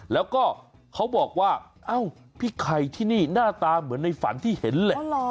แล้วก็เขาบอกว่าเอ้าพี่ไข่ที่นี่หน้าตาเหมือนในฝันที่เห็นเลย